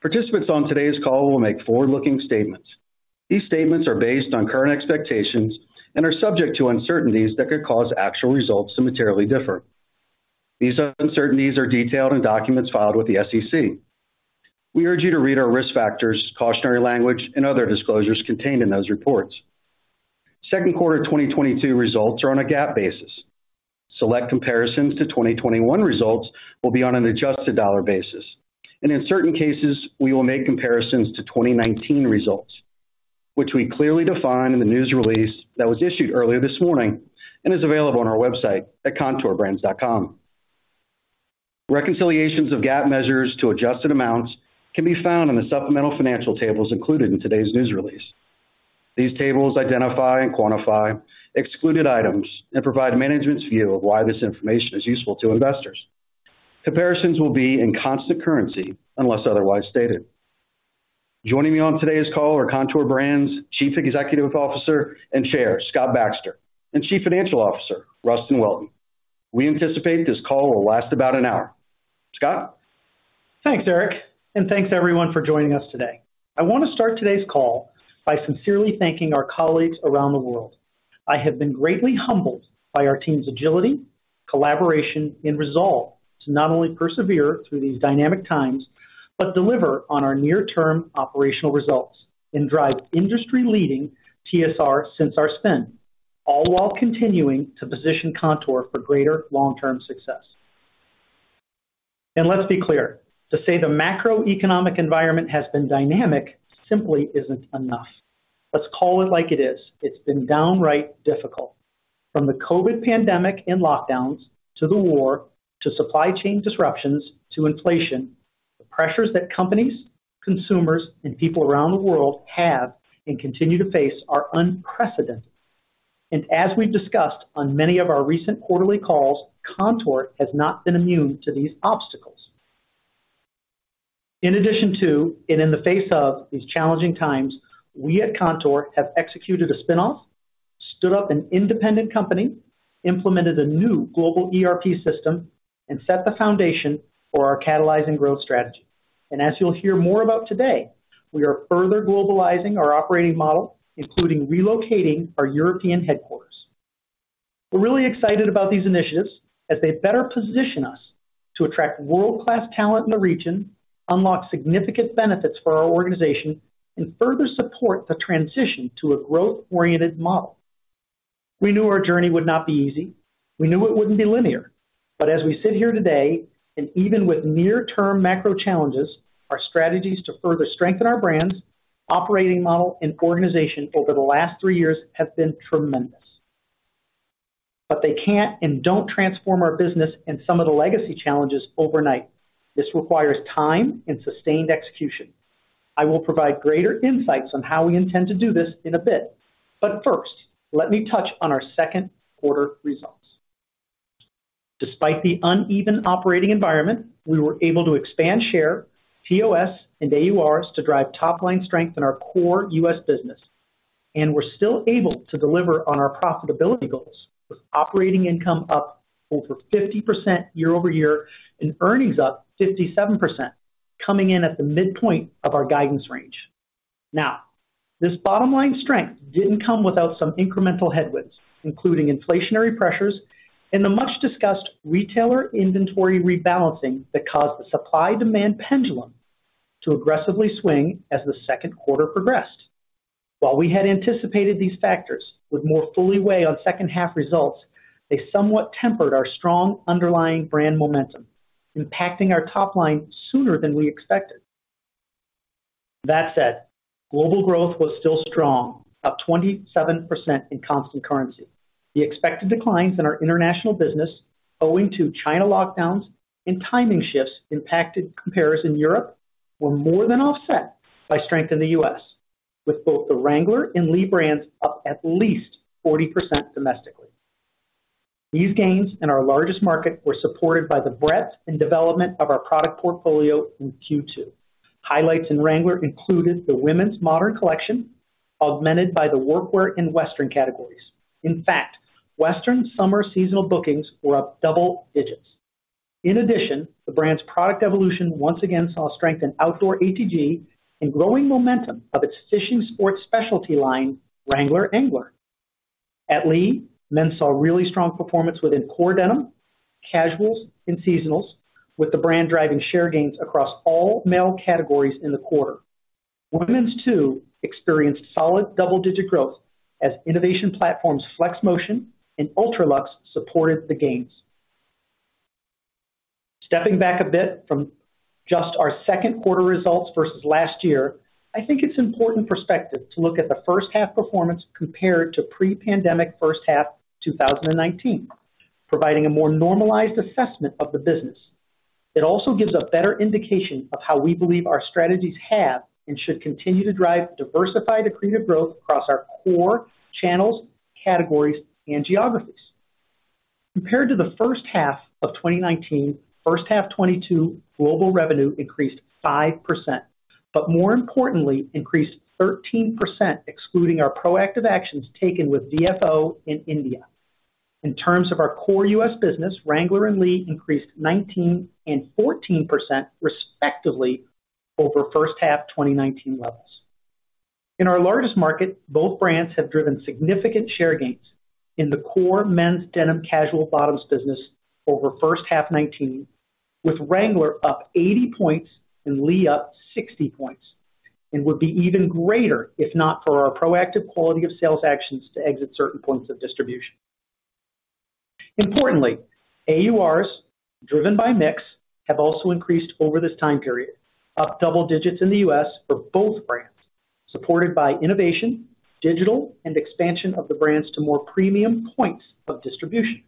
Participants on today's call will make forward-looking statements. These statements are based on current expectations and are subject to uncertainties that could cause actual results to materially differ. These uncertainties are detailed in documents filed with the SEC. We urge you to read our risk factors, cautionary language, and other disclosures contained in those reports. Second quarter 2022 results are on a GAAP basis. Select comparisons to 2021 results will be on an adjusted dollar basis. In certain cases, we will make comparisons to 2019 results, which we clearly define in the news release that was issued earlier this morning and is available on our website at kontoorbrands.com. Reconciliations of GAAP measures to adjusted amounts can be found in the supplemental financial tables included in today's news release. These tables identify and quantify excluded items and provide management's view of why this information is useful to investors. Comparisons will be in constant currency unless otherwise stated. Joining me on today's call are Kontoor Brands' Chief Executive Officer and Chair, Scott Baxter, and Chief Financial Officer, Rustin Welton. We anticipate this call will last about an hour. Scott? Thanks, Eric, and thanks everyone for joining us today. I wanna start today's call by sincerely thanking our colleagues around the world. I have been greatly humbled by our team's agility, collaboration, and resolve to not only persevere through these dynamic times, but deliver on our near-term operational results and drive industry-leading TSR since our spin, all while continuing to position Kontoor for greater long-term success. Let's be clear, to say the macroeconomic environment has been dynamic simply isn't enough. Let's call it like it is. It's been downright difficult. From the COVID pandemic and lockdowns, to the war, to supply chain disruptions, to inflation, the pressures that companies, consumers, and people around the world have and continue to face are unprecedented. As we've discussed on many of our recent quarterly calls, Kontoor has not been immune to these obstacles. In addition to and in the face of these challenging times, we at Kontoor have executed a spin-off, stood up an independent company, implemented a new global ERP system, and set the foundation for our catalyzing growth strategy. As you'll hear more about today, we are further globalizing our operating model, including relocating our European headquarters. We're really excited about these initiatives as they better position us to attract world-class talent in the region, unlock significant benefits for our organization, and further support the transition to a growth-oriented model. We knew our journey would not be easy. We knew it wouldn't be linear. As we sit here today, and even with near-term macro challenges, our strategies to further strengthen our brands, operating model, and organization over the last three years have been tremendous. They can't and don't transform our business and some of the legacy challenges overnight. This requires time and sustained execution. I will provide greater insights on how we intend to do this in a bit. First, let me touch on our second quarter results. Despite the uneven operating environment, we were able to expand share, TOS, and AURs to drive top-line strength in our core U.S. business. We're still able to deliver on our profitability goals, with operating income up over 50% year-over-year and earnings up 57%, coming in at the midpoint of our guidance range. Now, this bottom-line strength didn't come without some incremental headwinds, including inflationary pressures and the much-discussed retailer inventory rebalancing that caused the supply-demand pendulum to aggressively swing as the second quarter progressed. While we had anticipated these factors would more fully weigh on second half results, they somewhat tempered our strong underlying brand momentum, impacting our top line sooner than we expected. That said, global growth was still strong, up 27% in constant currency. The expected declines in our international business, owing to China lockdowns and timing shifts impacting comparisons in Europe were more than offset by strength in the U.S., with both the Wrangler and Lee brands up at least 40% domestically. These gains in our largest market were supported by the breadth and development of our product portfolio in Q2. Highlights in Wrangler included the women's modern collection, augmented by the workwear and western categories. In fact, western summer seasonal bookings were up double digits. In addition, the brand's product evolution once again saw strength in outdoor ATG and growing momentum of its fishing sports specialty line, Wrangler Angler. At Lee, men saw really strong performance within core denim, casuals, and seasonals, with the brand driving share gains across all male categories in the quarter. Women’s Q2 experienced solid double-digit growth as innovation platforms Flexmotion and UltraLux supported the gains. Stepping back a bit from just our second quarter results versus last year, I think it's important perspective to look at the first half performance compared to pre-pandemic first half 2019, providing a more normalized assessment of the business. It also gives a better indication of how we believe our strategies have and should continue to drive diversified accretive growth across our core channels, categories, and geographies. Compared to the first half of 2019, first half 2022 global revenue increased 5%. More importantly, increased 13% excluding our proactive actions taken with DFO in India. In terms of our core U.S. business, Wrangler and Lee increased 19% and 14% respectively over first half 2019 levels. In our largest market, both brands have driven significant share gains in the core men's denim casual bottoms business over first half 2019, with Wrangler up 80 points and Lee up 60 points, and would be even greater if not for our proactive quality of sales actions to exit certain points of distribution. Importantly, AURs driven by mix have also increased over this time period, up double digits in the U.S. for both brands, supported by innovation, digital, and expansion of the brands to more premium points of distribution.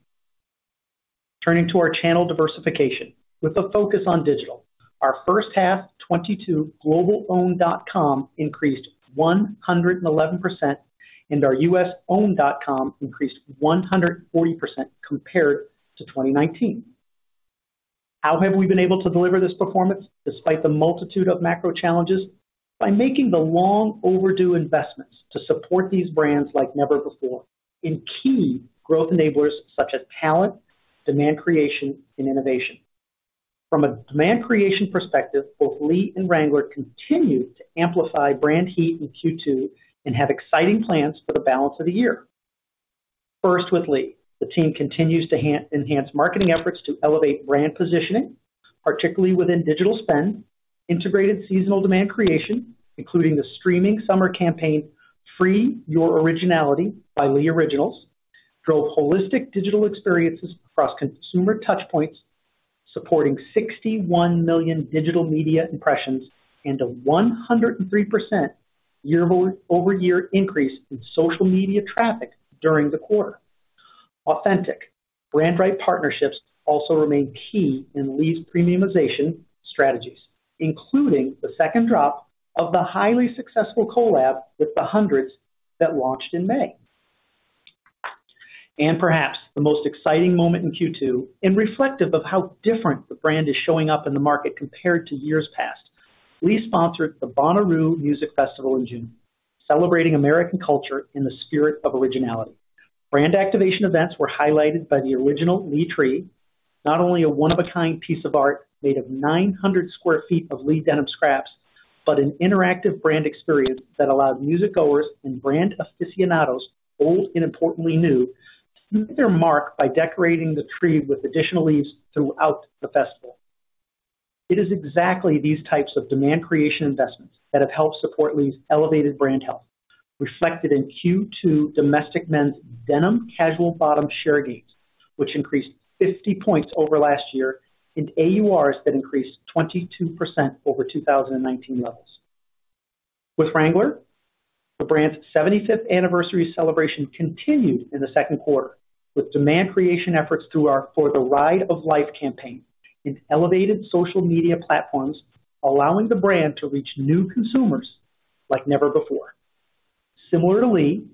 Turning to our channel diversification with a focus on digital. Our first half 2022 global owned dot com increased 111%, and our U.S. owned dot com increased 140% compared to 2019. How have we been able to deliver this performance despite the multitude of macro challenges? By making the long overdue investments to support these brands like never before in key growth enablers such as talent, demand creation and innovation. From a demand creation perspective, both Lee and Wrangler continued to amplify brand heat in Q2 and have exciting plans for the balance of the year. First, with Lee. The team continues to enhance marketing efforts to elevate brand positioning, particularly within digital spend, integrated seasonal demand creation, including the streaming summer campaign, Free Your Originality by Lee Originals, drove holistic digital experiences across consumer touch points, supporting 61 million digital media impressions and a 103% year-over-year increase in social media traffic during the quarter. Authentic brand right partnerships also remain key in Lee's premiumization strategies, including the second drop of the highly successful collab with The Hundreds that launched in May. Perhaps the most exciting moment in Q2, and reflective of how different the brand is showing up in the market compared to years past. Lee sponsored the Bonnaroo Music Festival in June, celebrating American culture in the spirit of originality. Brand activation events were highlighted by the original Lee Tree. Not only a one of a kind piece of art made of 900 sq ft of Lee denim scraps, but an interactive brand experience that allowed music goers and brand aficionados, old and importantly new, to leave their mark by decorating the tree with additional leaves throughout the festival. It is exactly these types of demand creation investments that have helped support Lee's elevated brand health, reflected in Q2 domestic men's denim casual bottom share gains, which increased 50 points over last year, and AURs that increased 22% over 2019 levels. With Wrangler, the brand's 75th anniversary celebration continued in the second quarter, with demand creation efforts through our For the Ride of Life campaign and elevated social media platforms allowing the brand to reach new consumers like never before. Similar to Lee,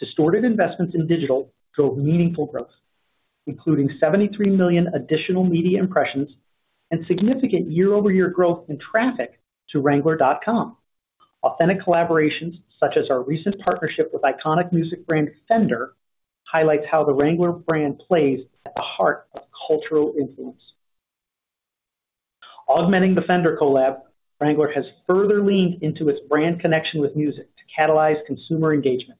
sustained investments in digital drove meaningful growth, including 73 million additional media impressions and significant year-over-year growth in traffic to wrangler.com. Authentic collaborations such as our recent partnership with iconic music brand Fender highlights how the Wrangler brand plays at the heart of cultural influence. Augmenting the Fender collab, Wrangler has further leaned into its brand connection with music to catalyze consumer engagement.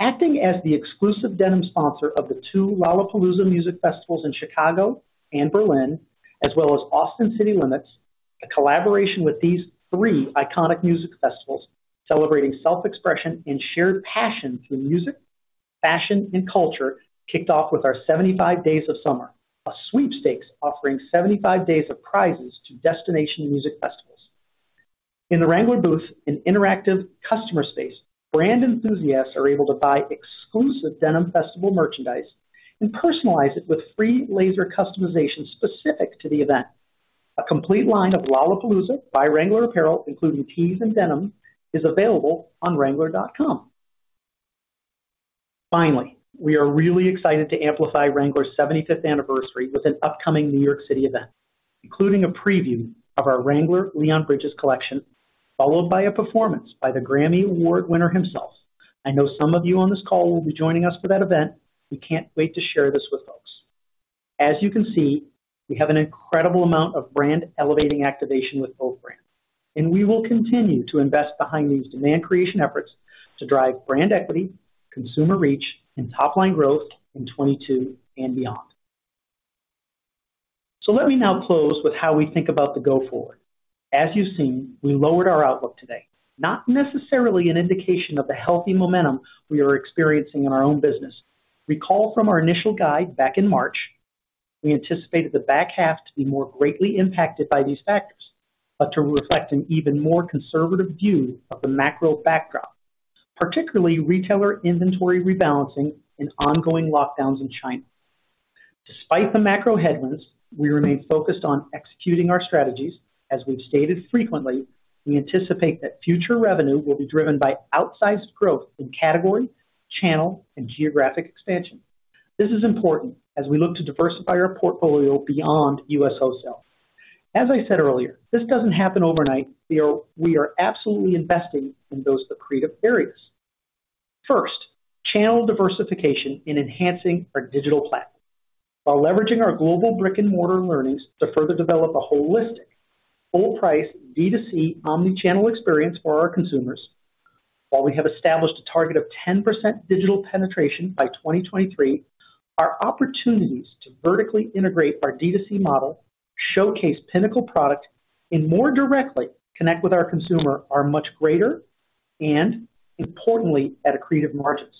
Acting as the exclusive denim sponsor of the two Lollapalooza music festivals in Chicago and Berlin, as well as Austin City Limits, a collaboration with these three iconic music festivals celebrating self-expression and shared passion through music, fashion, and culture kicked off with our 75 Days of Summer. A sweepstakes offering 75 days of prizes to destination and music festivals. In the Wrangler booth, an interactive customer space, brand enthusiasts are able to buy exclusive denim festival merchandise and personalize it with free laser customization specific to the event. A complete line of Lollapalooza by Wrangler apparel, including tees and denim, is available on wrangler.com. Finally, we are really excited to amplify Wrangler's 75th anniversary with an upcoming New York City event, including a preview of our Wrangler Leon Bridges collection, followed by a performance by the Grammy Award winner himself. I know some of you on this call will be joining us for that event. We can't wait to share this with folks. As you can see, we have an incredible amount of brand elevating activation with both brands, and we will continue to invest behind these demand creation efforts to drive brand equity, consumer reach, and top line growth in 2022 and beyond. Let me now close with how we think about the go forward. As you've seen, we lowered our outlook today, not necessarily an indication of the healthy momentum we are experiencing in our own business. Recall from our initial guide back in March, we anticipated the back half to be more greatly impacted by these factors, but to reflect an even more conservative view of the macro backdrop, particularly retailer inventory rebalancing and ongoing lockdowns in China. Despite the macro headwinds, we remain focused on executing our strategies. As we've stated frequently, we anticipate that future revenue will be driven by outsized growth in category, channel, and geographic expansion. This is important as we look to diversify our portfolio beyond U.S. wholesale. As I said earlier, this doesn't happen overnight. We are absolutely investing in those accretive areas. First, channel diversification in enhancing our digital platform. While leveraging our global brick-and-mortar learnings to further develop a holistic, full price D2C omni-channel experience for our consumers. While we have established a target of 10% digital penetration by 2023, our opportunities to vertically integrate our D2C model, showcase pinnacle product, and more directly connect with our consumer are much greater, and importantly, at accretive margins.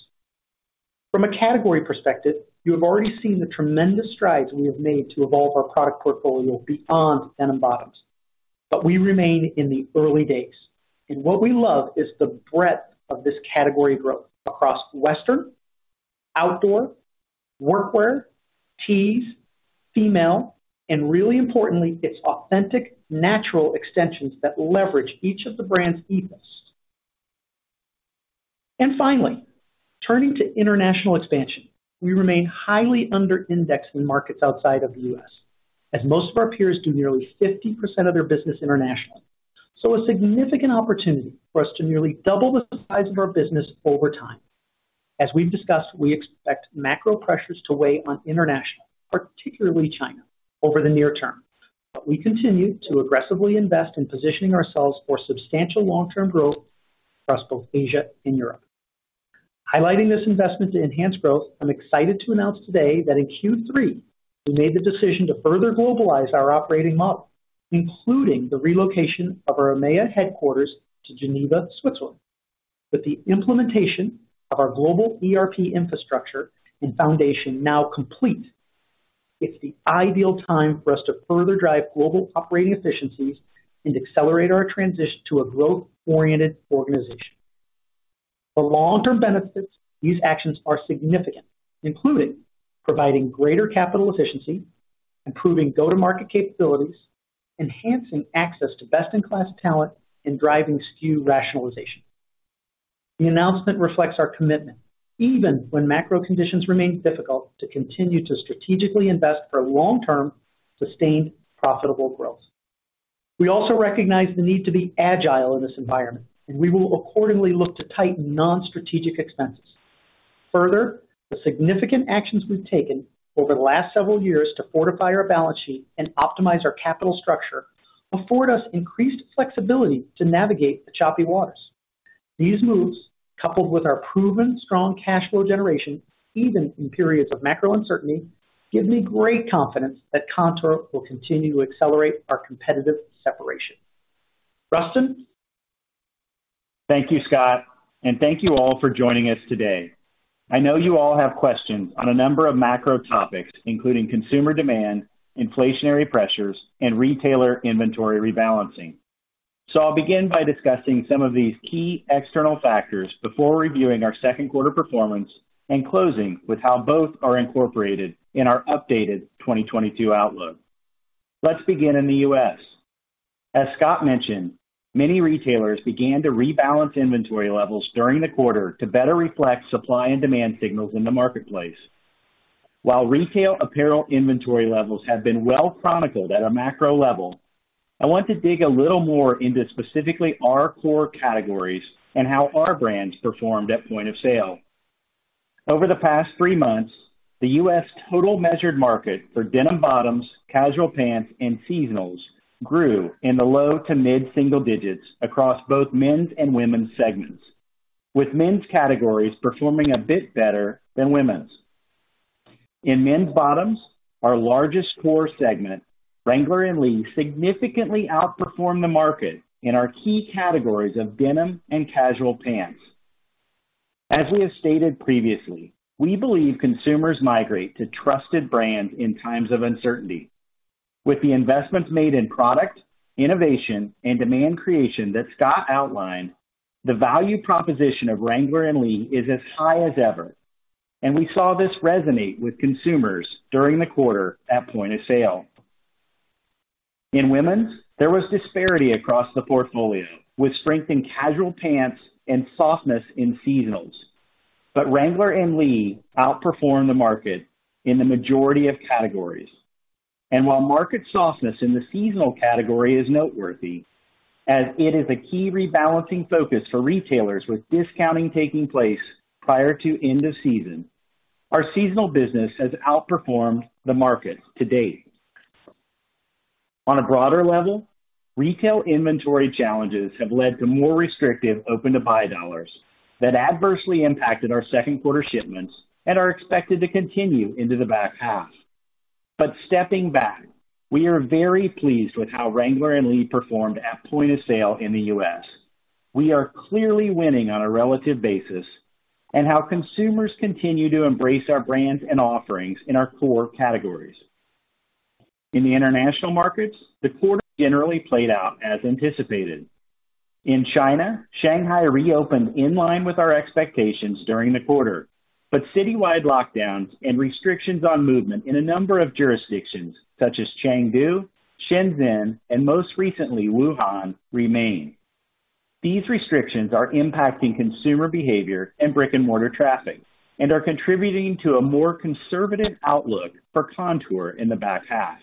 From a category perspective, you have already seen the tremendous strides we have made to evolve our product portfolio beyond denim bottoms. We remain in the early days, and what we love is the breadth of this category growth across western, outdoor, work wear, tees, female, and really importantly, its authentic natural extensions that leverage each of the brand's ethos. Finally, turning to international expansion. We remain highly under-indexed in markets outside of the U.S., as most of our peers do nearly 50% of their business internationally. A significant opportunity for us to nearly double the size of our business over time. As we've discussed, we expect macro pressures to weigh on international, particularly China, over the near term. We continue to aggressively invest in positioning ourselves for substantial long-term growth across both Asia and Europe. Highlighting this investment to enhance growth, I'm excited to announce today that in Q3, we made the decision to further globalize our operating model, including the relocation of our EMEA headquarters to Geneva, Switzerland. With the implementation of our global ERP infrastructure and foundation now complete, it's the ideal time for us to further drive global operating efficiencies and accelerate our transition to a growth-oriented organization. The long-term benefits of these actions are significant, including providing greater capital efficiency, improving go-to-market capabilities, enhancing access to best-in-class talent, and driving SKU rationalization. The announcement reflects our commitment, even when macro conditions remain difficult, to continue to strategically invest for long-term, sustained, profitable growth. We also recognize the need to be agile in this environment, and we will accordingly look to tighten non-strategic expenses. Further, the significant actions we've taken over the last several years to fortify our balance sheet and optimize our capital structure afford us increased flexibility to navigate the choppy waters. These moves, coupled with our proven strong cash flow generation, even in periods of macro uncertainty, give me great confidence that Kontoor will continue to accelerate our competitive separation. Rustin? Thank you, Scott, and thank you all for joining us today. I know you all have questions on a number of macro topics, including consumer demand, inflationary pressures, and retailer inventory rebalancing. I'll begin by discussing some of these key external factors before reviewing our second quarter performance and closing with how both are incorporated in our updated 2022 outlook. Let's begin in the U.S. As Scott mentioned, many retailers began to rebalance inventory levels during the quarter to better reflect supply and demand signals in the marketplace. While retail apparel inventory levels have been well chronicled at a macro level, I want to dig a little more into specifically our core categories and how our brands performed at point of sale. Over the past three months, the U.S. total measured market for denim bottoms, casual pants, and seasonals grew in the low- to mid-single-digit % across both men's and women's segments, with men's categories performing a bit better than women's. In men's bottoms, our largest core segment, Wrangler and Lee significantly outperformed the market in our key categories of denim and casual pants. As we have stated previously, we believe consumers migrate to trusted brands in times of uncertainty. With the investments made in product, innovation, and demand creation that Scott outlined, the value proposition of Wrangler and Lee is as high as ever, and we saw this resonate with consumers during the quarter at point of sale. In women's, there was disparity across the portfolio, with strength in casual pants and softness in seasonals. Wrangler and Lee outperformed the market in the majority of categories. While market softness in the seasonal category is noteworthy, as it is a key rebalancing focus for retailers with discounting taking place prior to end of season, our seasonal business has outperformed the market to date. On a broader level, retail inventory challenges have led to more restrictive open-to-buy dollars that adversely impacted our second quarter shipments and are expected to continue into the back half. Stepping back, we are very pleased with how Wrangler and Lee performed at point of sale in the U.S. We are clearly winning on a relative basis and how consumers continue to embrace our brands and offerings in our core categories. In the international markets, the quarter generally played out as anticipated. In China, Shanghai reopened in line with our expectations during the quarter, but citywide lockdowns and restrictions on movement in a number of jurisdictions, such as Chengdu, Shenzhen, and most recently, Wuhan, remain. These restrictions are impacting consumer behavior and brick-and-mortar traffic and are contributing to a more conservative outlook for Kontoor in the back half.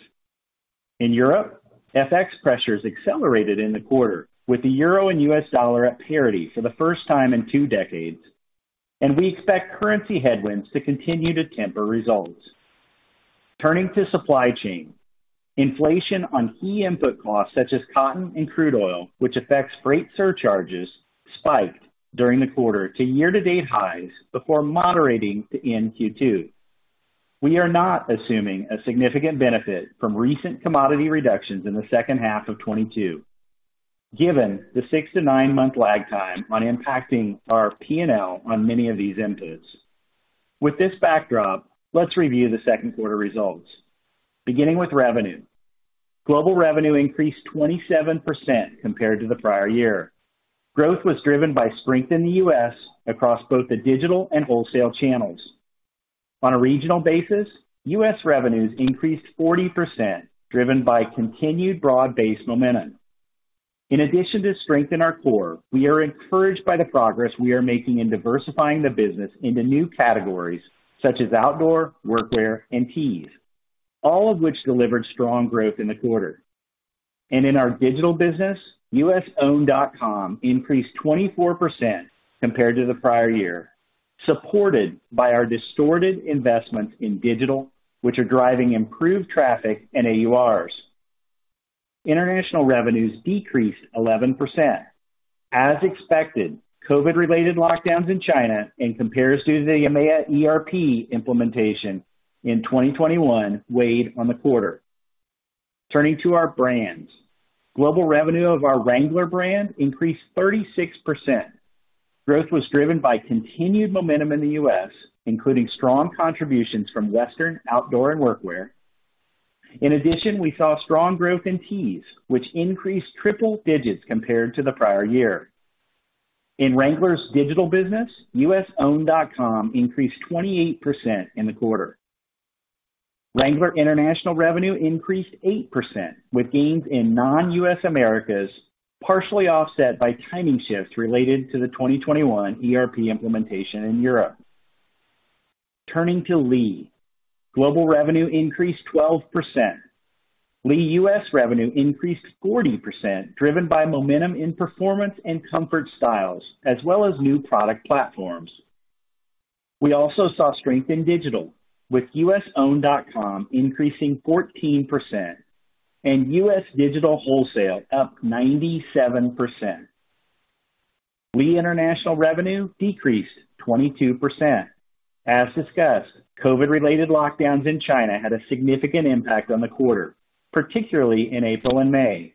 In Europe, FX pressures accelerated in the quarter, with the euro and U.S. dollar at parity for the first time in two decades, and we expect currency headwinds to continue to temper results. Turning to supply chain. Inflation on key input costs such as cotton and crude oil, which affects freight surcharges, spiked during the quarter to year-to-date highs before moderating to end Q2. We are not assuming a significant benefit from recent commodity reductions in the second half of 2022, given the six-nine-month lag time on impacting our P&L on many of these inputs. With this backdrop, let's review the second quarter results. Beginning with revenue. Global revenue increased 27% compared to the prior year. Growth was driven by strength in the U.S. across both the digital and wholesale channels. On a regional basis, U.S. revenues increased 40%, driven by continued broad-based momentum. In addition to strength in our core, we are encouraged by the progress we are making in diversifying the business into new categories such as outdoor, workwear, and tees, all of which delivered strong growth in the quarter. In our digital business, U.S. owned .com increased 24% compared to the prior year, supported by our sustained investments in digital, which are driving improved traffic and AURs. International revenues decreased 11%. As expected, COVID-related lockdowns in China in comparison to the EMEA ERP implementation in 2021 weighed on the quarter. Turning to our brands. Global revenue of our Wrangler brand increased 36%. Growth was driven by continued momentum in the US, including strong contributions from Western Outdoor and Workwear. In addition, we saw strong growth in tees, which increased triple digits compared to the prior year. In Wrangler's digital business, wrangler.com increased 28% in the quarter. Wrangler international revenue increased 8%, with gains in non-US Americas partially offset by timing shifts related to the 2021 ERP implementation in Europe. Turning to Lee. Global revenue increased 12%. Lee US revenue increased 40%, driven by momentum in performance and comfort styles as well as new product platforms. We also saw strength in digital, with our owned.com increasing 14% and U.S. digital wholesale up 97%. Lee international revenue decreased 22%. As discussed, COVID-related lockdowns in China had a significant impact on the quarter, particularly in April and May.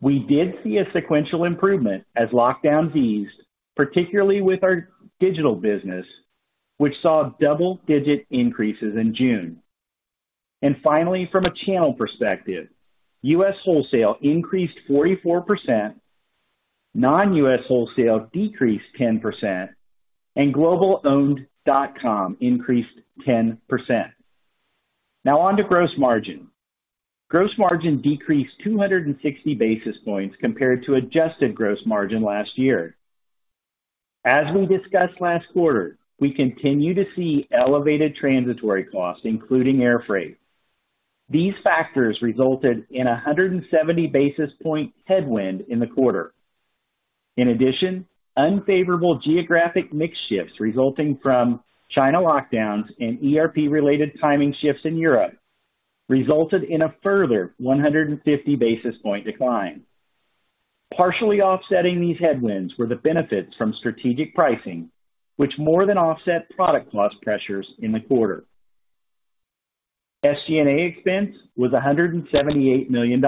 We did see a sequential improvement as lockdowns eased, particularly with our digital business, which saw double-digit increases in June. Finally, from a channel perspective, U.S. wholesale increased 44%, non-U.S. wholesale decreased 10%, and global owned.com increased 10%. Now on to gross margin. Gross margin decreased 260 basis points compared to adjusted gross margin last year. As we discussed last quarter, we continue to see elevated transitory costs, including air freight. These factors resulted in a 170 basis points headwind in the quarter. In addition, unfavorable geographic mix shifts resulting from China lockdowns and ERP-related timing shifts in Europe resulted in a further 150 basis point decline. Partially offsetting these headwinds were the benefits from strategic pricing, which more than offset product cost pressures in the quarter. SG&A expense was $178 million,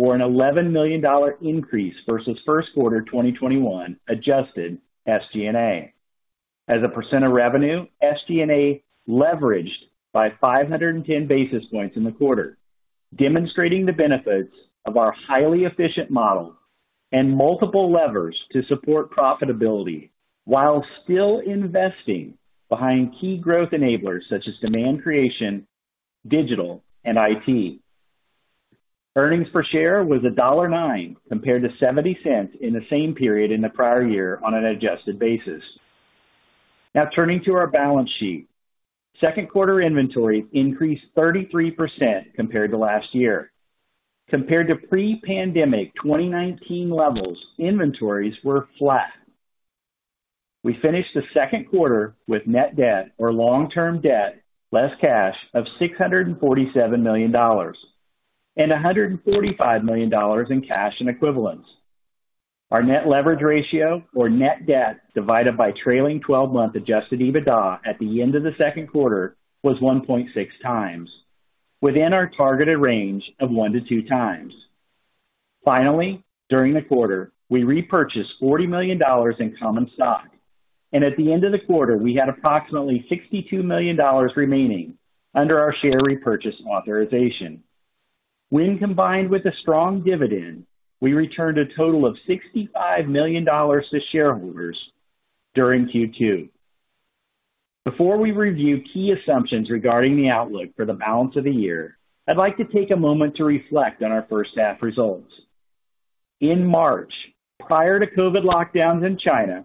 or an $11 million increase versus first quarter 2021 adjusted SG&A. As a % of revenue, SG&A leveraged by 510 basis points in the quarter, demonstrating the benefits of our highly efficient model and multiple levers to support profitability while still investing behind key growth enablers such as demand creation, digital, and IT. Earnings per share was $1.09 compared to $0.70 in the same period in the prior year on an adjusted basis. Now turning to our balance sheet. Second quarter inventory increased 33% compared to last year. Compared to pre-pandemic 2019 levels, inventories were flat. We finished the second quarter with net debt or long-term debt, less cash of $647 million and $145 million in cash and equivalents. Our net leverage ratio or net debt divided by trailing twelve-month adjusted EBITDA at the end of the second quarter was 1.6 times within our targeted range of one-two times. Finally, during the quarter, we repurchased $40 million in common stock, and at the end of the quarter, we had approximately $62 million remaining under our share repurchase authorization. When combined with a strong dividend, we returned a total of $65 million to shareholders during Q2. Before we review key assumptions regarding the outlook for the balance of the year, I'd like to take a moment to reflect on our first half results. In March, prior to COVID lockdowns in China,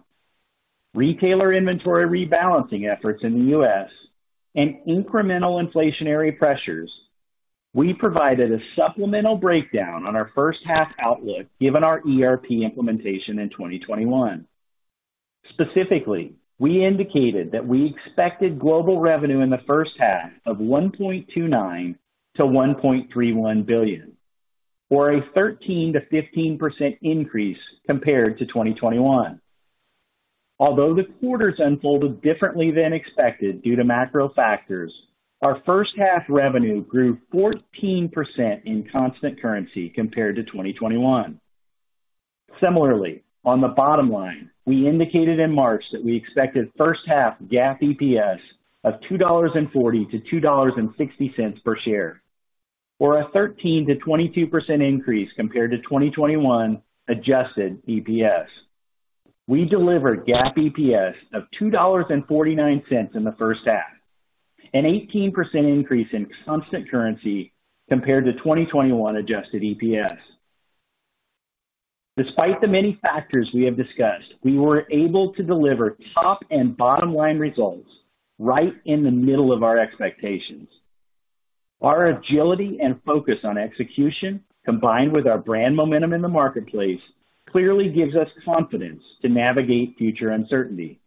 retailer inventory rebalancing efforts in the U.S., and incremental inflationary pressures, we provided a supplemental breakdown on our first half outlook, given our ERP implementation in 2021. Specifically, we indicated that we expected global revenue in the first half of $1.29 billion-$1.31 billion, or a 13%-15% increase compared to 2021. Although the quarters unfolded differently than expected due to macro factors, our first half revenue grew 14% in constant currency compared to 2021. Similarly, on the bottom line, we indicated in March that we expected first half GAAP EPS of $2.40-$2.60 per share, or a 13%-22% increase compared to 2021 adjusted EPS. We delivered GAAP EPS of $2.49 in the first half, an 18% increase in constant currency compared to 2021 adjusted EPS. Despite the many factors we have discussed, we were able to deliver top and bottom-line results right in the middle of our expectations. Our agility and focus on execution, combined with our brand momentum in the marketplace, clearly gives us confidence to navigate future uncertainty.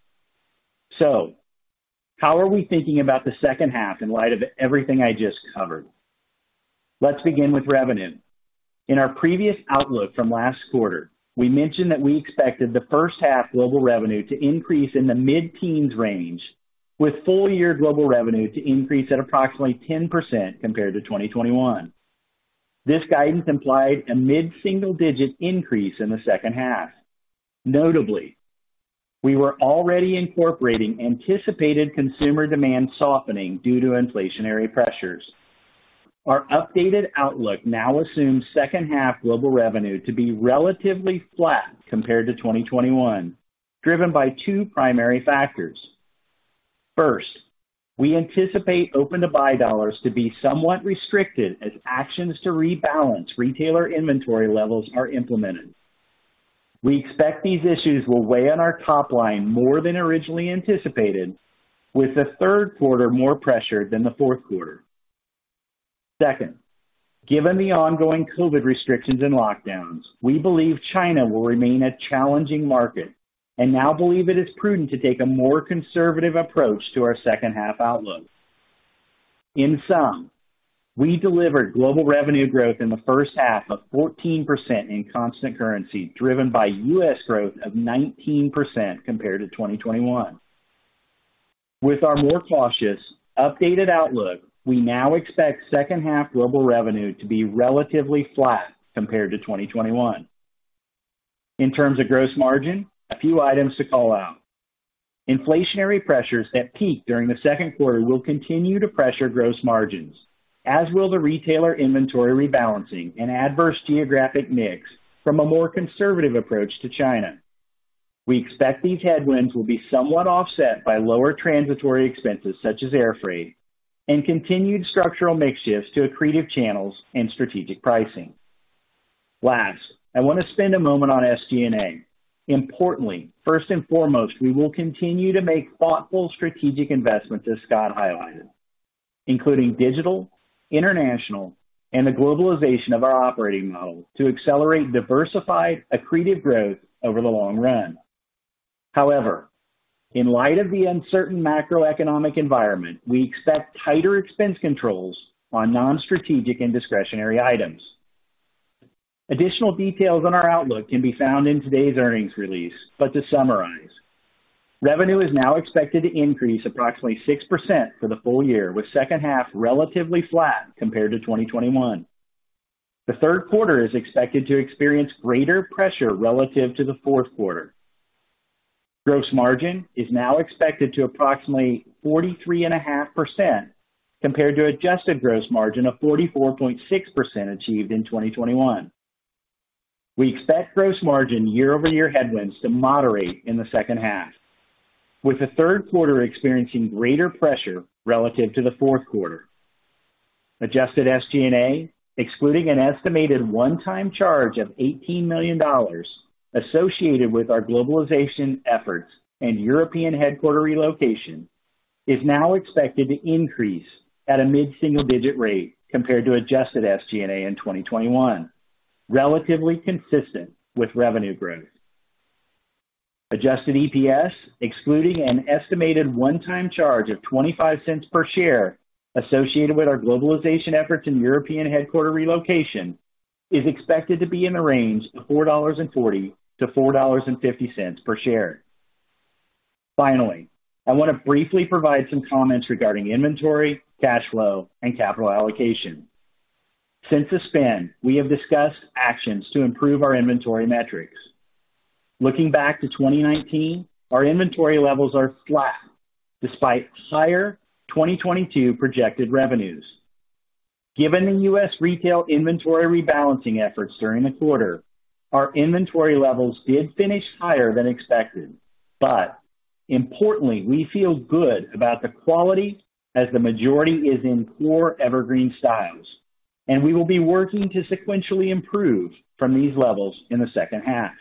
How are we thinking about the second half in light of everything I just covered? Let's begin with revenue. In our previous outlook from last quarter, we mentioned that we expected the first half global revenue to increase in the mid-teens range, with full year global revenue to increase at approximately 10% compared to 2021. This guidance implied a mid-single digit increase in the second half. Notably, we were already incorporating anticipated consumer demand softening due to inflationary pressures. Our updated outlook now assumes second half global revenue to be relatively flat compared to 2021, driven by two primary factors. First, we anticipate open-to-buy dollars to be somewhat restricted as actions to rebalance retailer inventory levels are implemented. We expect these issues will weigh on our top line more than originally anticipated, with the third quarter more pressure than the fourth quarter. Second, given the ongoing COVID restrictions and lockdowns, we believe China will remain a challenging market and now believe it is prudent to take a more conservative approach to our second half outlook. In sum, we delivered global revenue growth in the first half of 14% in constant currency, driven by US growth of 19% compared to 2021. With our more cautious updated outlook, we now expect second half global revenue to be relatively flat compared to 2021. In terms of gross margin, a few items to call out. Inflationary pressures that peak during the second quarter will continue to pressure gross margins, as will the retailer inventory rebalancing and adverse geographic mix from a more conservative approach to China. We expect these headwinds will be somewhat offset by lower transitory expenses such as air freight and continued structural mix shifts to accretive channels and strategic pricing. Last, I wanna spend a moment on SG&A. Importantly, first and foremost, we will continue to make thoughtful strategic investments, as Scott highlighted, including digital, international, and the globalization of our operating model to accelerate diversified, accretive growth over the long run. However, in light of the uncertain macroeconomic environment, we expect tighter expense controls on non-strategic and discretionary items. Additional details on our outlook can be found in today's earnings release. To summarize, revenue is now expected to increase approximately 6% for the full year, with second half relatively flat compared to 2021. The third quarter is expected to experience greater pressure relative to the fourth quarter. Gross margin is now expected to approximately 43.5% compared to adjusted gross margin of 44.6% achieved in 2021. We expect gross margin year-over-year headwinds to moderate in the second half, with the third quarter experiencing greater pressure relative to the fourth quarter. Adjusted SG&A, excluding an estimated one-time charge of $18 million associated with our globalization efforts and European headquarters relocation, is now expected to increase at a mid-single digit rate compared to adjusted SG&A in 2021, relatively consistent with revenue growth. Adjusted EPS, excluding an estimated one-time charge of $0.25 per share associated with our globalization efforts in European headquarters relocation, is expected to be in the range of $4.40-$4.50 per share. Finally, I wanna briefly provide some comments regarding inventory, cash flow, and capital allocation. Since the spin, we have discussed actions to improve our inventory metrics. Looking back to 2019, our inventory levels are flat despite higher 2022 projected revenues. Given the U.S. retail inventory rebalancing efforts during the quarter, our inventory levels did finish higher than expected. Importantly, we feel good about the quality as the majority is in core evergreen styles, and we will be working to sequentially improve from these levels in the second half.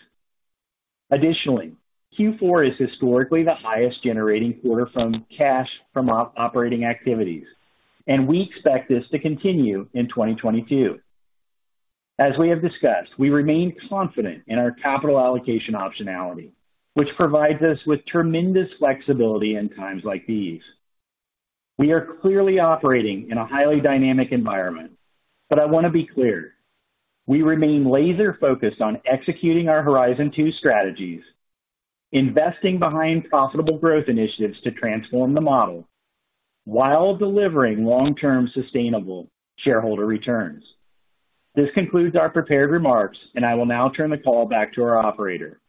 Additionally, Q4 is historically the highest generating quarter from cash from operating activities, and we expect this to continue in 2022. As we have discussed, we remain confident in our capital allocation optionality, which provides us with tremendous flexibility in times like these. We are clearly operating in a highly dynamic environment, but I wanna be clear, we remain laser focused on executing our Horizon Two strategies, investing behind profitable growth initiatives to transform the model while delivering long-term sustainable shareholder returns. This concludes our prepared remarks, and I will now turn the call back to our operator.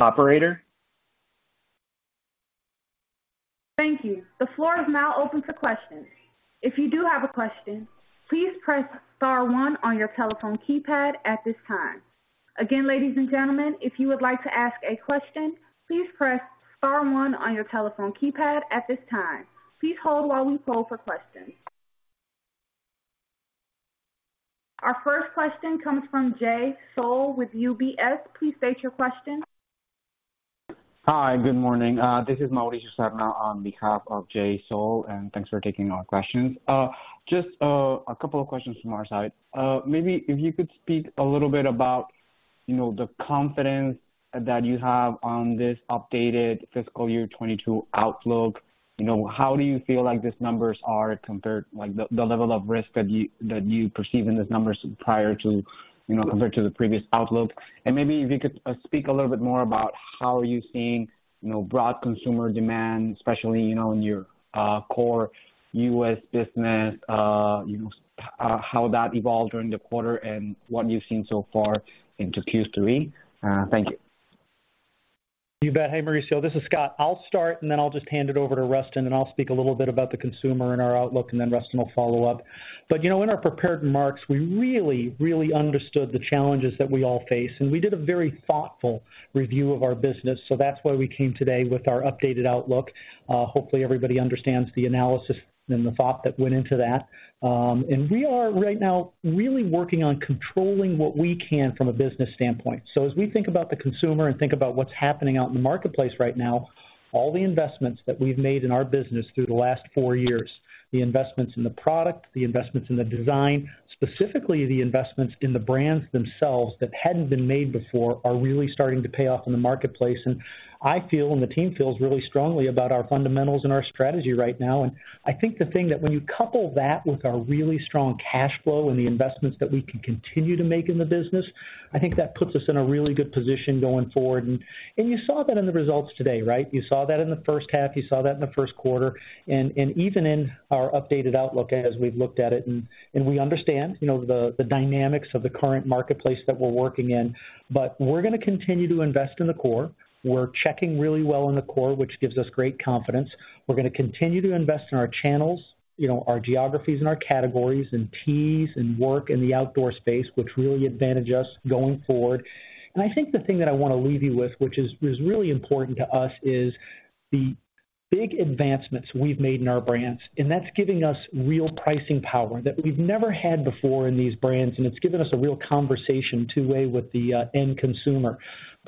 Operator? Thank you. The floor is now open for questions. If you do have a question, please press star one on your telephone keypad at this time. Again, ladies and gentlemen, if you would like to ask a question, please press star one on your telephone keypad at this time. Please hold while we poll for questions. Our first question comes from Jay Sole with UBS. Please state your question. Hi. Good morning. This is Mauricio Serna on behalf of Jay Sole, and thanks for taking our questions. Just a couple of questions from our side. Maybe if you could speak a little bit about, you know, the confidence that you have on this updated fiscal year 2022 outlook. You know, how do you feel like these numbers are compared, like, the level of risk that you perceive in these numbers prior to, you know, compared to the previous outlook? Maybe if you could speak a little bit more about how you're seeing, you know, broad consumer demand, especially, you know, in your core U.S. business, you know, how that evolved during the quarter and what you've seen so far into Q3. Thank you. You bet. Hey, Mauricio, this is Scott. I'll start, and then I'll just hand it over to Rustin, and I'll speak a little bit about the consumer and our outlook, and then Rustin will follow up. You know, in our prepared remarks, we really, really understood the challenges that we all face, and we did a very thoughtful review of our business. That's why we came today with our updated outlook. Hopefully, everybody understands the analysis and the thought that went into that. And we are right now really working on controlling what we can from a business standpoint. As we think about the consumer and think about what's happening out in the marketplace right now, all the investments that we've made in our business through the last four years, the investments in the product, the investments in the design, specifically the investments in the brands themselves that hadn't been made before, are really starting to pay off in the marketplace. I feel, and the team feels really strongly about our fundamentals and our strategy right now. I think the thing that when you couple that with our really strong cash flow and the investments that we can continue to make in the business, I think that puts us in a really good position going forward. You saw that in the results today, right? You saw that in the first half. You saw that in the first quarter and even in our updated outlook as we've looked at it. We understand, you know, the dynamics of the current marketplace that we're working in, but we're gonna continue to invest in the core. We're checking really well in the core, which gives us great confidence. We're gonna continue to invest in our channels, you know, our geographies and our categories and tees and work in the outdoor space, which really advantage us going forward. I think the thing that I wanna leave you with, which is really important to us, is the big advancements we've made in our brands, and that's giving us real pricing power that we've never had before in these brands, and it's given us a real conversation two-way with the end consumer.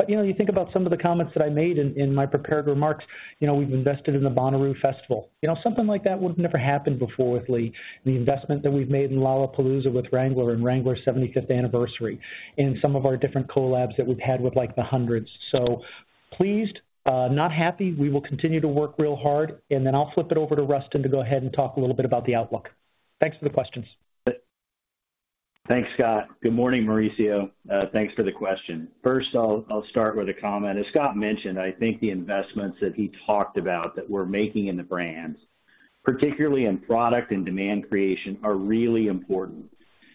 You know, you think about some of the comments that I made in my prepared remarks. You know, we've invested in the Bonnaroo Festival. You know, something like that would've never happened before with Lee. The investment that we've made in Lollapalooza with Wrangler and Wrangler's 75th anniversary and some of our different collabs that we've had with, like, The Hundreds. So pleased, not happy. We will continue to work real hard, and then I'll flip it over to Rustin to go ahead and talk a little bit about the outlook. Thanks for the questions. Thanks, Scott. Good morning, Mauricio. Thanks for the question. First, I'll start with a comment. As Scott mentioned, I think the investments that he talked about that we're making in the brands, particularly in product and demand creation, are really important.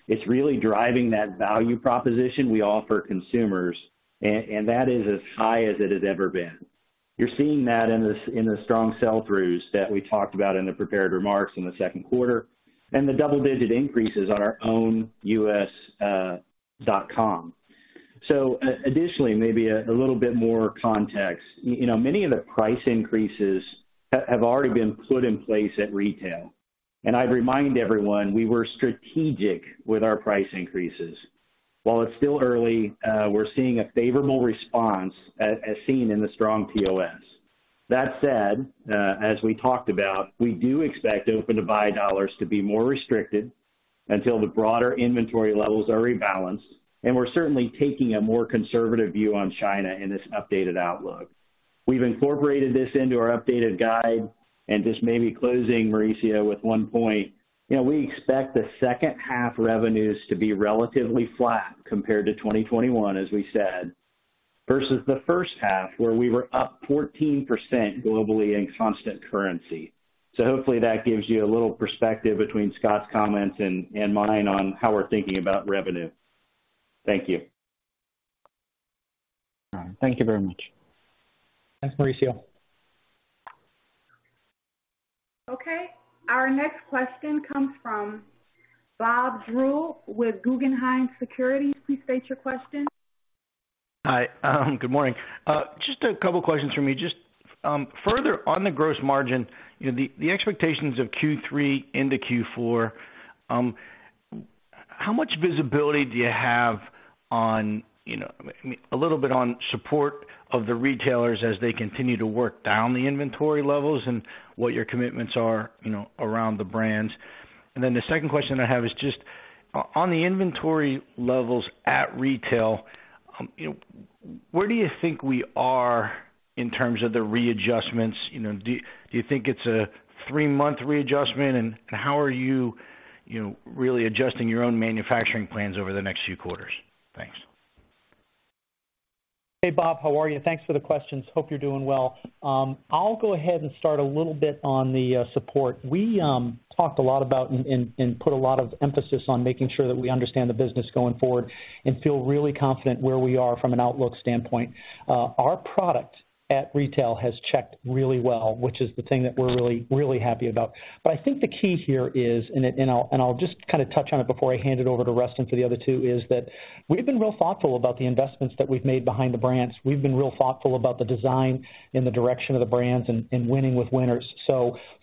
It's really driving that value proposition we offer consumers, and that is as high as it has ever been. You're seeing that in the strong sell-throughs that we talked about in the prepared remarks in the second quarter and the double-digit increases on our own U.S. .com. Additionally, maybe a little bit more context. You know, many of the price increases have already been put in place at retail. I'd remind everyone, we were strategic with our price increases. While it's still early, we're seeing a favorable response as seen in the strong POS. That said, as we talked about, we do expect open-to-buy dollars to be more restricted until the broader inventory levels are rebalanced, and we're certainly taking a more conservative view on China in this updated outlook. We've incorporated this into our updated guide, and just maybe closing, Mauricio, with one point. You know, we expect the second half revenues to be relatively flat compared to 2021, as we said, versus the first half, where we were up 14% globally in constant currency. Hopefully that gives you a little perspective between Scott's comments and mine on how we're thinking about revenue. Thank you. Thank you very much. Thanks, Mauricio. Okay. Our next question comes from Bob Drbul with Guggenheim Securities. Please state your question. Hi. Good morning. Just a couple questions from me. Just further on the gross margin, you know, the expectations of Q3 into Q4, how much visibility do you have on, you know, I mean, a little bit on support of the retailers as they continue to work down the inventory levels and what your commitments are, you know, around the brands. The second question I have is just on the inventory levels at retail, you know, where do you think we are in terms of the readjustments. You know, do you think it's a three-month readjustment. How are you know, really adjusting your own manufacturing plans over the next few quarters. Thanks. Hey, Bob, how are you? Thanks for the questions. Hope you're doing well. I'll go ahead and start a little bit on the support. We talked a lot about and put a lot of emphasis on making sure that we understand the business going forward and feel really confident where we are from an outlook standpoint. Our product at retail has checked really well, which is the thing that we're really happy about. I think the key here is, and I'll just kinda touch on it before I hand it over to Rustin for the other two, is that we've been real thoughtful about the investments that we've made behind the brands. We've been real thoughtful about the design and the direction of the brands and winning with winners.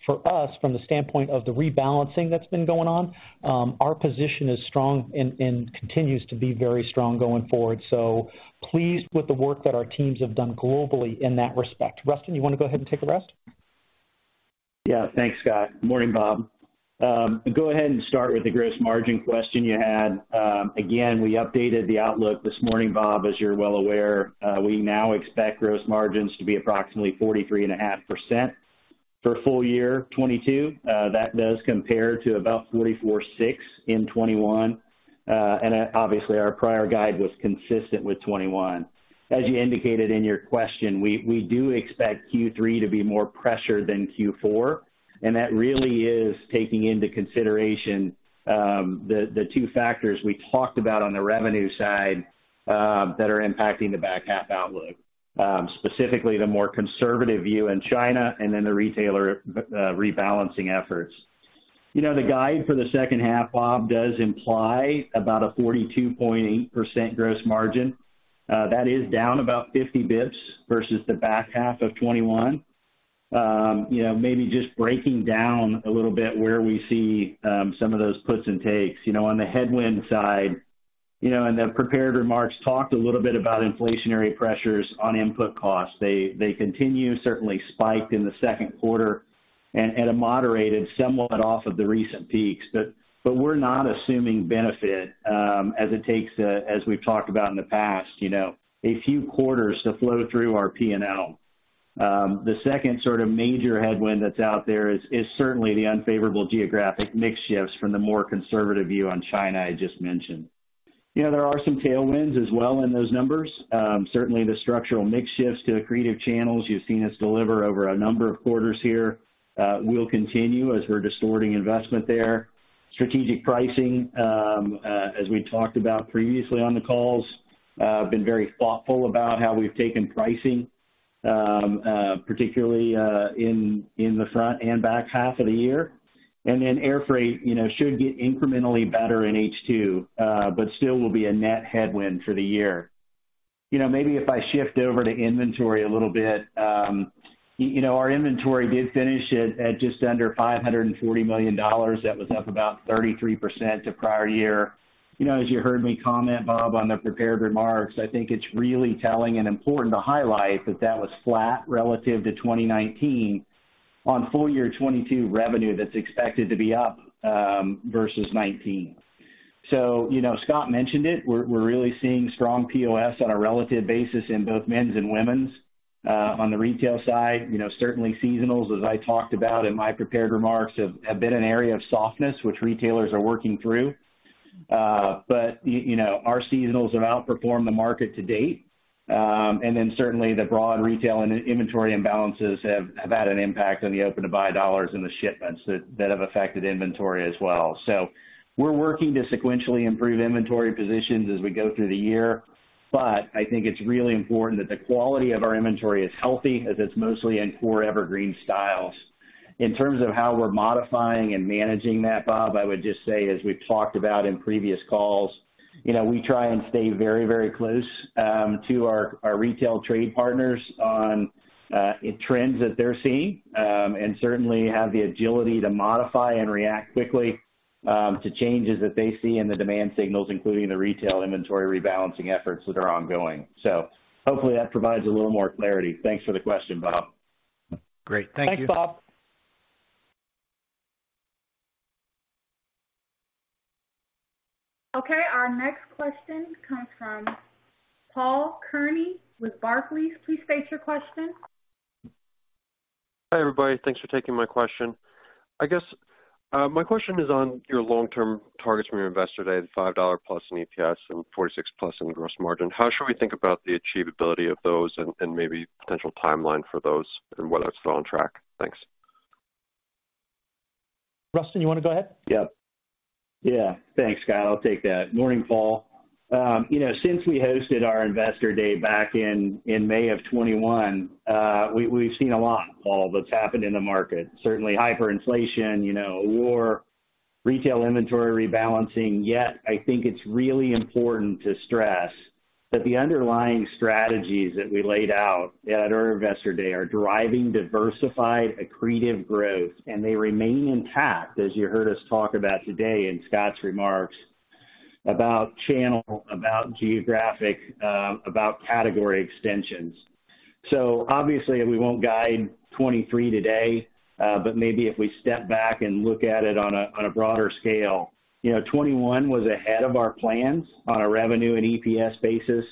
For us, from the standpoint of the rebalancing that's been going on, our position is strong and continues to be very strong going forward. Pleased with the work that our teams have done globally in that respect. Rustin, you wanna go ahead and take the rest? Yeah. Thanks, Scott. Morning, Bob. Go ahead and start with the gross margin question you had. Again, we updated the outlook this morning, Bob, as you're well aware. We now expect gross margins to be approximately 43.5% for full year 2022. That does compare to about 44.6% in 2021. Obviously, our prior guide was consistent with 2021. As you indicated in your question, we do expect Q3 to be more pressured than Q4, and that really is taking into consideration the two factors we talked about on the revenue side that are impacting the back half outlook, specifically the more conservative view in China and then the retailer rebalancing efforts. You know, the guide for the second half, Bob, does imply about a 42.8% gross margin. That is down about 50 basis points versus the back half of 2021. You know, maybe just breaking down a little bit where we see some of those puts and takes. You know, on the headwind side, you know, in the prepared remarks, talked a little bit about inflationary pressures on input costs. They continue, certainly spiked in the second quarter and have moderated somewhat off of the recent peaks. We're not assuming benefit, as it takes, as we've talked about in the past, you know, a few quarters to flow through our P&L. The second sort of major headwind that's out there is certainly the unfavorable geographic mix shifts from the more conservative view on China I just mentioned. You know, there are some tailwinds as well in those numbers. Certainly the structural mix shifts to accretive channels you've seen us deliver over a number of quarters here will continue as we're distorting investment there. Strategic pricing, as we talked about previously on the calls, been very thoughtful about how we've taken pricing, particularly in the front and back half of the year. Air freight, you know, should get incrementally better in H2, but still will be a net headwind for the year. You know, maybe if I shift over to inventory a little bit, you know, our inventory did finish at just under $540 million. That was up about 33% to prior year. You know, as you heard me comment, Bob, on the prepared remarks, I think it's really telling and important to highlight that that was flat relative to 2019 on full year 2022 revenue that's expected to be up versus 2019. You know, Scott mentioned it, we're really seeing strong POS on a relative basis in both men's and women's. On the retail side, you know, certainly seasonals, as I talked about in my prepared remarks, have been an area of softness which retailers are working through. You know, our seasonals have outperformed the market to date. Then certainly the broad retail and inventory imbalances have had an impact on the open-to-buy dollars and the shipments that have affected inventory as well. We're working to sequentially improve inventory positions as we go through the year. I think it's really important that the quality of our inventory is healthy as it's mostly in core evergreen styles. In terms of how we're modifying and managing that, Bob, I would just say, as we've talked about in previous calls, you know, we try and stay very, very close to our retail trade partners on trends that they're seeing. And certainly, have the agility to modify and react quickly to changes that they see in the demand signals, including the retail inventory rebalancing efforts that are ongoing. Hopefully that provides a little more clarity. Thanks for the question, Bob. Great. Thank you. Thanks, Bob. Okay, our next question comes from Paul Lejuez with Barclays. Please state your question. Hi, everybody. Thanks for taking my question. I guess, my question is on your long-term targets from your Investor Day, the $5+ in EPS and 46%+ in the gross margin. How should we think about the achievability of those and maybe potential timeline for those and whether that's still on track? Thanks. Rustin, you wanna go ahead? Yep. Yeah, thanks, Scott. I'll take that. Morning, Paul. You know, since we hosted our investor day back in May of 2021, we've seen a lot, Paul, that's happened in the market. Certainly hyperinflation, you know, war, retail inventory rebalancing. Yet, I think it's really important to stress that the underlying strategies that we laid out at our investor day are driving diversified, accretive growth, and they remain intact, as you heard us talk about today in Scott's remarks about channel, about geographic, about category extensions. Obviously, we won't guide 2023 today, but maybe if we step back and look at it on a broader scale. You know, 2021 was ahead of our plans on a revenue and EPS basis.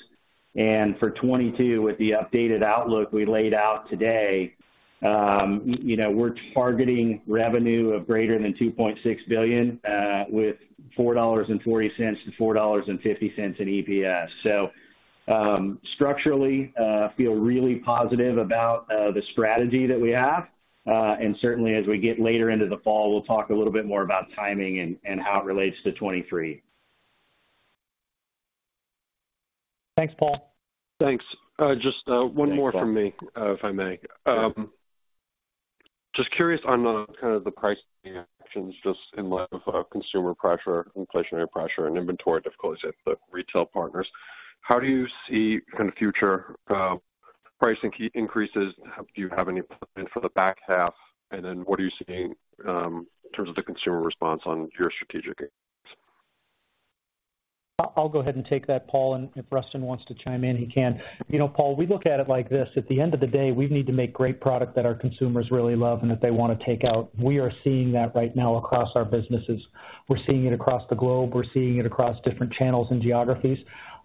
For 2022, with the updated outlook we laid out today, you know, we're targeting revenue of greater than $2.6 billion, with $4.40-$4.50 in EPS. Structurally, feel really positive about the strategy that we have. Certainly as we get later into the fall, we'll talk a little bit more about timing and how it relates to 2023. Thanks, Paul. Thanks. Just one more from me, if I may. Just curious on kind of the pricing actions, just in light of consumer pressure, inflationary pressure, and inventory difficulties at the retail partners. How do you see kind of future pricing key increases? Do you have any planned for the back half? Then what are you seeing in terms of the consumer response on your strategic? I'll go ahead and take that, Paul, and if Rustin wants to chime in, he can. You know, Paul, we look at it like this. At the end of the day, we need to make great product that our consumers really love and that they wanna take out. We are seeing that right now across our businesses. We're seeing it across the globe. We're seeing it across different channels and geographies.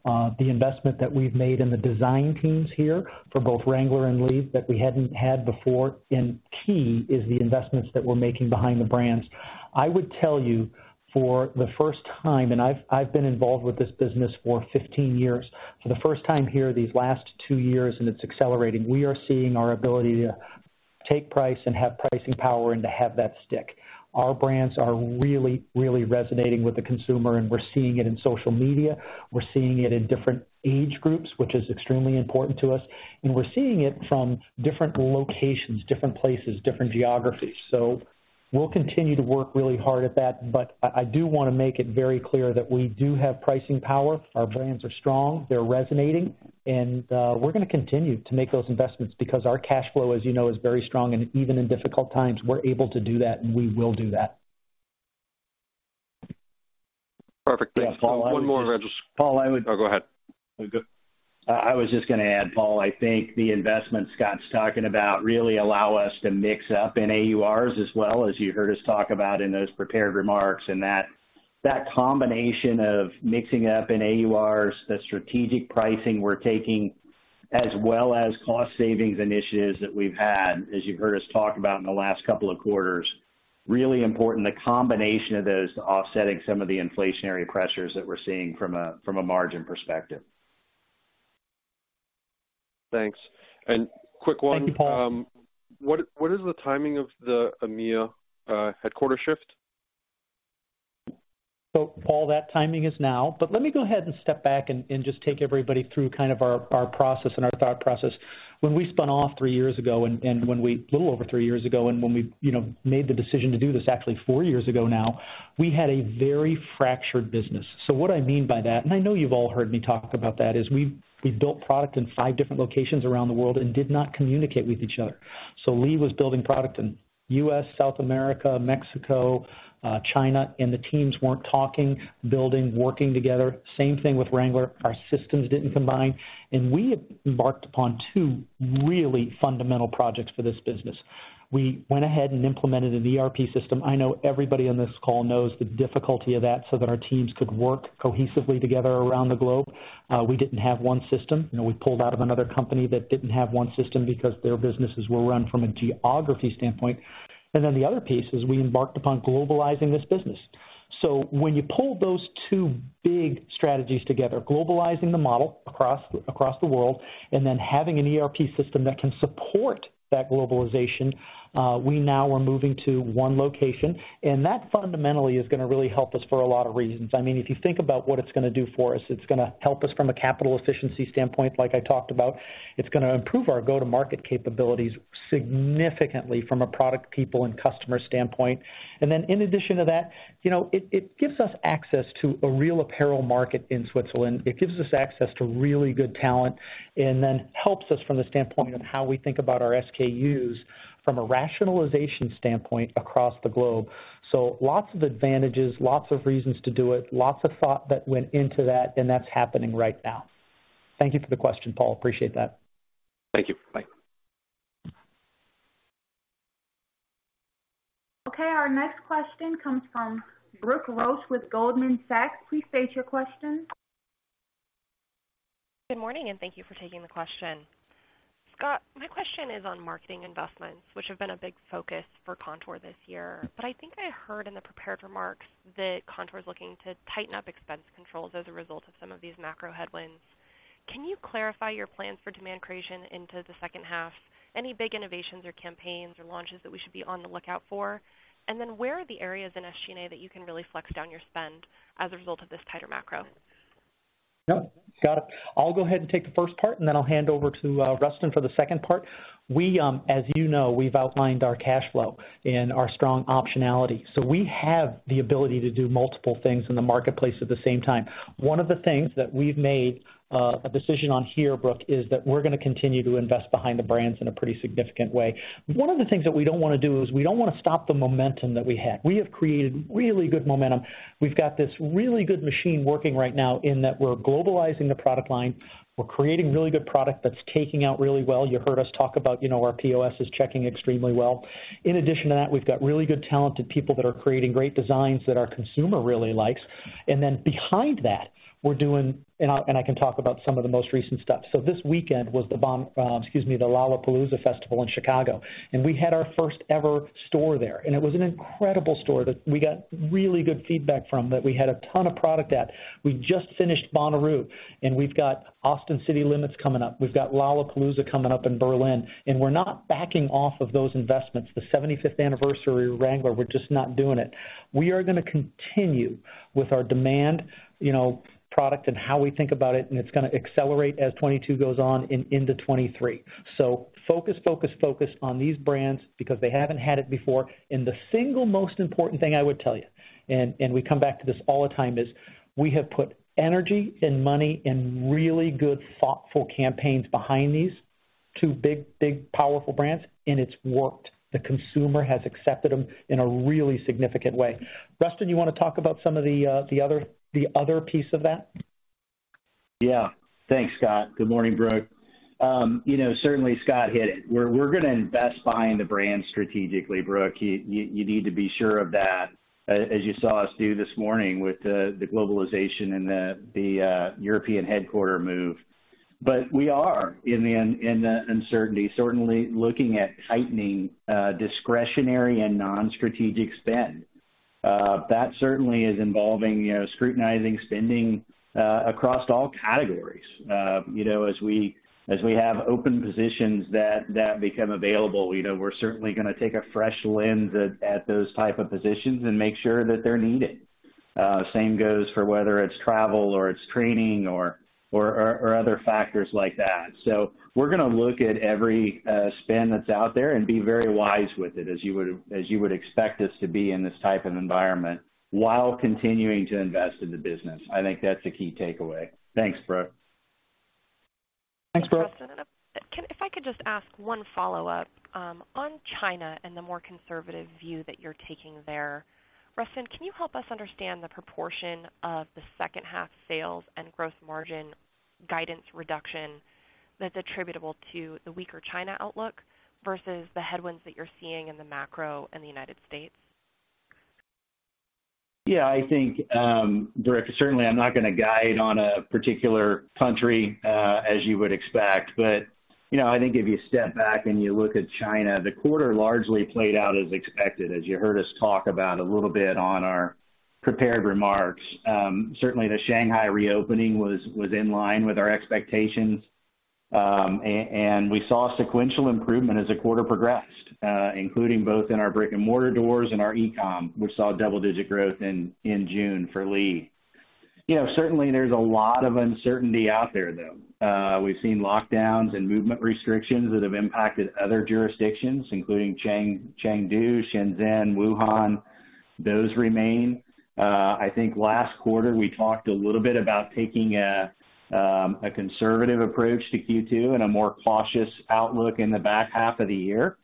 The investment that we've made in the design teams here for both Wrangler and Lee that we hadn't had before, and key is the investments that we're making behind the brands. I would tell you for the first time, and I've been involved with this business for 15 years. For the first time here these last two years, and it's accelerating, we are seeing our ability to take price and have pricing power and to have that stick. Our brands are really, really resonating with the consumer, and we're seeing it in social media. We're seeing it in different age groups, which is extremely important to us. We're seeing it from different locations, different places, different geographies. We'll continue to work really hard at that. I do wanna make it very clear that we do have pricing power. Our brands are strong, they're resonating, and we're gonna continue to make those investments because our cash flow, as you know, is very strong. Even in difficult times, we're able to do that, and we will do that. Perfect. Thanks. One more and I'll just. Paul, I would. Oh, go ahead. I was just gonna add, Paul, I think the investments Scott's talking about really allow us to mix up in AURs as well, as you heard us talk about in those prepared remarks. That combination of mixing up in AURs, the strategic pricing we're taking, as well as cost savings initiatives that we've had, as you've heard us talk about in the last couple of quarters, really important the combination of those offsetting some of the inflationary pressures that we're seeing from a margin perspective. Thanks. Quick one. Thank you, Paul. What is the timing of the EMEA headquarters shift? Paul, that timing is now. Let me go ahead and step back and just take everybody through kind of our process and our thought process. When we spun off three years ago, little over three years ago, and when we, you know, made the decision to do this actually four years ago now, we had a very fractured business. What I mean by that, and I know you've all heard me talk about that, is we built product in five different locations around the world and did not communicate with each other. Lee was building product in U.S., South America, Mexico, China, and the teams weren't talking, building, working together. Same thing with Wrangler. Our systems didn't combine. We embarked upon two really fundamental projects for this business. We went ahead and implemented an ERP system. I know everybody on this call knows the difficulty of that so that our teams could work cohesively together around the globe. We didn't have one system. You know, we pulled out of another company that didn't have one system because their businesses were run from a geography standpoint. The other piece is we embarked upon globalizing this business. When you pull those two big strategies together, globalizing the model across the world, and then having an ERP system that can support that globalization, we now are moving to one location. That fundamentally is gonna really help us for a lot of reasons. I mean, if you think about what it's gonna do for us, it's gonna help us from a capital efficiency standpoint, like I talked about. It's gonna improve our go-to-market capabilities significantly from a product, people, and customer standpoint. In addition to that, you know, it gives us access to a real apparel market in Switzerland. It gives us access to really good talent, and then helps us from the standpoint of how we think about our SKUs from a rationalization standpoint across the globe. Lots of advantages, lots of reasons to do it, lots of thought that went into that, and that's happening right now. Thank you for the question, Paul. Appreciate that. Thank you. Bye. Okay, our next question comes from Brooke Roach with Goldman Sachs. Please state your question. Good morning and thank you for taking the question. Scott, my question is on marketing investments, which have been a big focus for Kontoor this year. I think I heard in the prepared remarks that Kontoor is looking to tighten up expense controls as a result of some of these macro headwinds. Can you clarify your plans for demand creation into the second half? Any big innovations or campaigns or launches that we should be on the lookout for? And then where are the areas in SG&A that you can really flex down your spend as a result of this tighter macro? No. Got it. I'll go ahead and take the first part, and then I'll hand over to Rustin for the second part. We, as you know, we've outlined our cash flow and our strong optionality. We have the ability to do multiple things in the marketplace at the same time. One of the things that we've made a decision on here, Brooke, is that we're gonna continue to invest behind the brands in a pretty significant way. One of the things that we don't wanna do is we don't wanna stop the momentum that we had. We have created really good momentum. We've got this really good machine working right now in that we're globalizing the product line. We're creating really good product that's taking off really well. You heard us talk about, you know, our POS is checking extremely well. In addition to that, we've got really good talented people that are creating great designs that our consumer really likes. Then behind that, I can talk about some of the most recent stuff. This weekend was the Lollapalooza festival in Chicago. We had our first ever store there. It was an incredible store that we got really good feedback from that we had a ton of product at. We just finished Bonnaroo, and we've got Austin City Limits coming up. We've got Lollapalooza coming up in Berlin, and we're not backing off of those investments. The 75th anniversary Wrangler, we're just not doing it. We are gonna continue with our demand, you know, product and how we think about it, and it's gonna accelerate as 2022 goes on into 2023. Focus on these brands because they haven't had it before. The single most important thing I would tell you, and we come back to this all the time, is we have put energy and money in really good, thoughtful campaigns behind these two big, powerful brands, and it's worked. The consumer has accepted them in a really significant way. Rustin, you wanna talk about some of the other piece of that? Yeah. Thanks, Scott. Good morning, Brooke. You know, certainly Scott hit it. We're gonna invest behind the brand strategically, Brooke. You need to be sure of that as you saw us do this morning with the globalization and the European headquarters move. We are in the uncertainty, certainly looking at tightening discretionary and non-strategic spend. That certainly is involving, you know, scrutinizing spending across all categories. You know, as we have open positions that become available, you know, we're certainly gonna take a fresh lens at those type of positions and make sure that they're needed. Same goes for whether it's travel or it's training or other factors like that. We're gonna look at every spend that's out there and be very wise with it, as you would expect us to be in this type of environment while continuing to invest in the business. I think that's a key takeaway. Thanks, Brooke. Thanks, Brooke. If I could just ask one follow-up, on China and the more conservative view that you're taking there. Rustin, can you help us understand the proportion of the second half sales and gross margin guidance reduction that's attributable to the weaker China outlook versus the headwinds that you're seeing in the macro in the United States? Yeah, I think, Brooke, certainly I'm not gonna guide on a particular country, as you would expect, but, you know, I think if you step back and you look at China, the quarter largely played out as expected, as you heard us talk about a little bit on our prepared remarks. Certainly the Shanghai reopening was in line with our expectations. We saw sequential improvement as the quarter progressed, including both in our brick-and-mortar doors and our e-com. We saw double-digit growth in June for Lee. You know, certainly there's a lot of uncertainty out there, though. We've seen lockdowns and movement restrictions that have impacted other jurisdictions, including Chengdu, Shenzhen, Wuhan. Those remain. I think last quarter, we talked a little bit about taking a conservative approach to Q2 and a more cautious outlook in the back half of the year.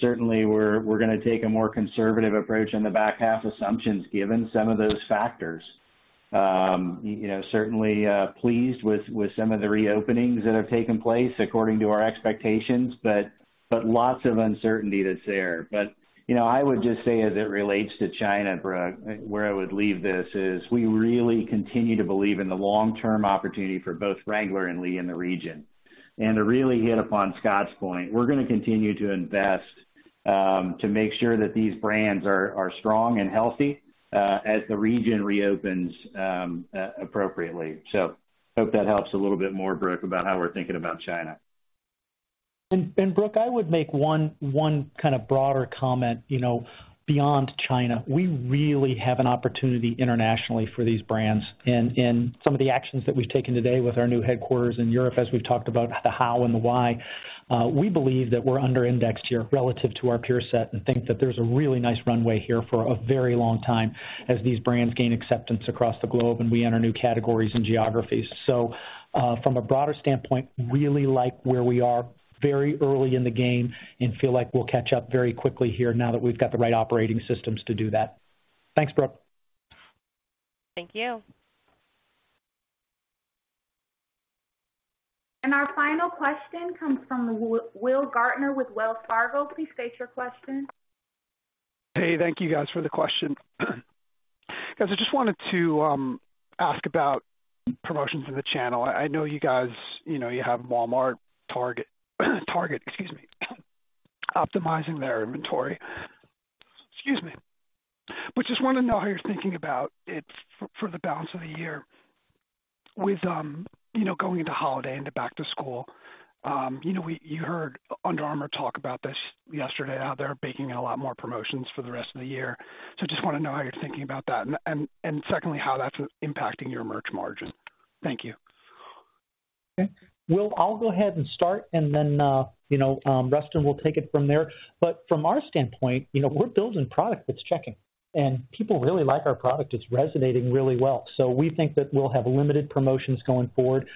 Certainly we're gonna take a more conservative approach on the back half assumptions given some of those factors. You know, certainly pleased with some of the reopenings that have taken place according to our expectations, but lots of uncertainty that's there. You know, I would just say as it relates to China, Brooke, where I would leave this is we really continue to believe in the long-term opportunity for both Wrangler and Lee in the region. To really hit upon Scott's point, we're gonna continue to invest to make sure that these brands are strong and healthy as the region reopens appropriately. Hope that helps a little bit more, Brooke, about how we're thinking about China. Brooke, I would make one kind of broader comment, you know, beyond China. We really have an opportunity internationally for these brands. Some of the actions that we've taken today with our new headquarters in Europe, as we've talked about the how and the why, we believe that we're under indexed here relative to our peer set and think that there's a really nice runway here for a very long time as these brands gain acceptance across the globe and we enter new categories and geographies. From a broader standpoint, really like where we are very early in the game and feel like we'll catch up very quickly here now that we've got the right operating systems to do that. Thanks, Brooke. Thank you. Our final question comes from Will Gaertner with Wells Fargo. Please state your question. Hey, thank you guys for the question. Guys, I just wanted to ask about promotions in the channel. I know you guys have Walmart, Target optimizing their inventory. But just wanna know how you're thinking about it for the balance of the year with going into holiday, into back to school. You heard Under Armour talk about this yesterday, how they're baking in a lot more promotions for the rest of the year. So just wanna know how you're thinking about that. Secondly, how that's impacting your merch margins. Thank you. Okay. Will, I'll go ahead and start and then, you know, Rustin will take it from there. From our standpoint, you know, we're building product that's checking. People really like our product. It's resonating really well. We think that we'll have limited promotions going forward.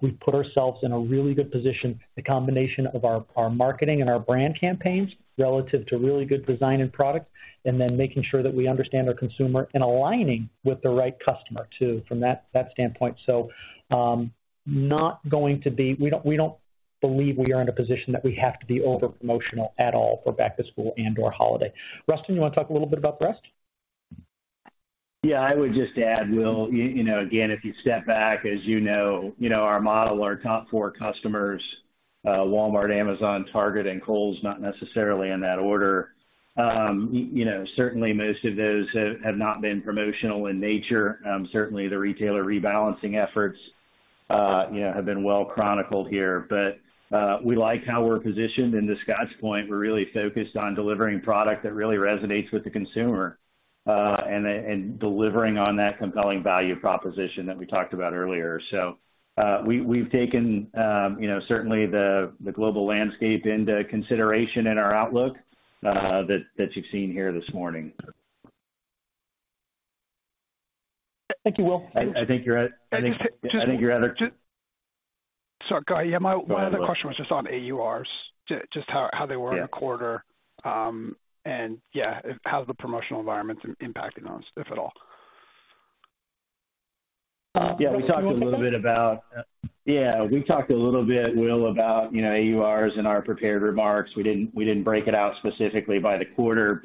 We've put ourselves in a really good position, the combination of our marketing and our brand campaigns relative to really good design and product, and then making sure that we understand our consumer and aligning with the right customer too from that standpoint. We don't believe we are in a position that we have to be over-promotional at all for back to school and/or holiday. Rustin, you wanna talk a little bit about the rest? Yeah, I would just add, Will, you know, again, if you step back, as you know, you know our model, our top four customers, Walmart, Amazon, Target, and Kohl's, not necessarily in that order. You know, certainly most of those have not been promotional in nature. Certainly the retailer rebalancing efforts, you know, have been well chronicled here. We like how we're positioned. To Scott's point, we're really focused on delivering product that really resonates with the consumer, and delivering on that compelling value proposition that we talked about earlier. We've taken, you know, certainly the global landscape into consideration in our outlook, that you've seen here this morning. Thank you, Will. I think you're at- Just I think you're at our- Sorry. Go ahead. My one other question was just on AURs. Just how they were in the quarter. Yeah, how the promotional environment's impacting those, if at all. Yeah, we talked a little bit, Will, about, you know, AURs in our prepared remarks. We didn't break it out specifically by the quarter.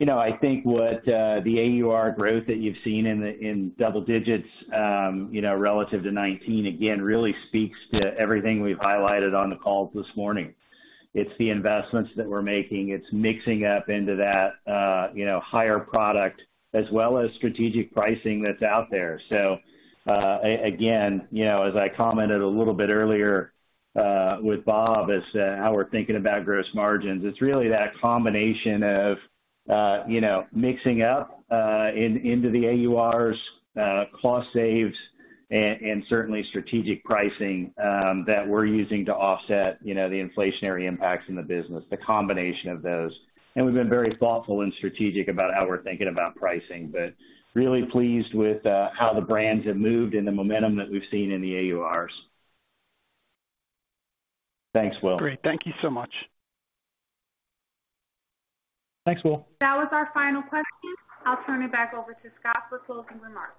You know, I think what the AUR growth that you've seen in double digits, you know, relative to 2019, again, really speaks to everything we've highlighted on the call this morning. It's the investments that we're making. It's mixing up into that, you know, higher product, as well as strategic pricing that's out there. Again, you know, as I commented a little bit earlier with Bob, as to how we're thinking about gross margins, it's really that combination of, you know, mixing up into the AURs, cost savings, and certainly strategic pricing that we're using to offset, you know, the inflationary impacts in the business, the combination of those. We've been very thoughtful and strategic about how we're thinking about pricing, but really pleased with how the brands have moved and the momentum that we've seen in the AURs. Thanks, Will. Great. Thank you so much. Thanks, Will. That was our final question. I'll turn it back over to Scott for closing remarks.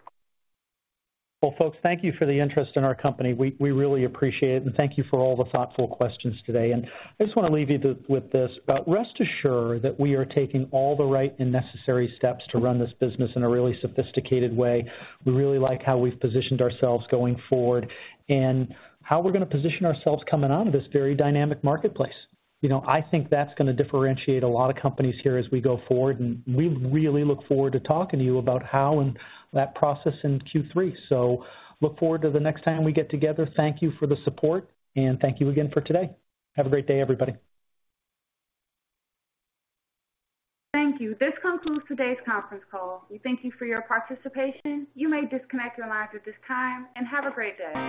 Well, folks, thank you for the interest in our company. We really appreciate it, and thank you for all the thoughtful questions today. I just wanna leave you with this, but rest assured that we are taking all the right and necessary steps to run this business in a really sophisticated way. We really like how we've positioned ourselves going forward and how we're gonna position ourselves coming out of this very dynamic marketplace. You know, I think that's gonna differentiate a lot of companies here as we go forward, and we really look forward to talking to you about how and that process in Q3. Look forward to the next time we get together. Thank you for the support, and thank you again for today. Have a great day, everybody. Thank you. This concludes today's conference call. We thank you for your participation. You may disconnect your lines at this time, and have a great day.